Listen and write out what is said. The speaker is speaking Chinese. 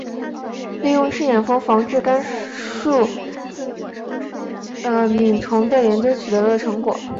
利用赤眼蜂防治甘蔗螟虫的研究取得成功。